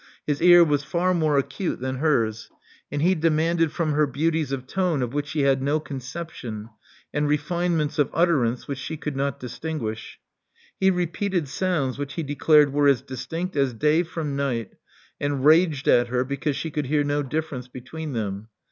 His ear was far more acute ers; and he demanded from her beauties of which she had no conception, and refinements ranee which she could not distinguish. He d sounds which he declared were as distinct From night, and raged at her because she could > difference between them.